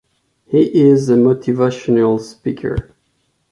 He is a motivational speaker.